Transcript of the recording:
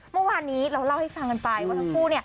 เมื่อวานนี้เราเล่าให้ฟังกันไปว่าทั้งคู่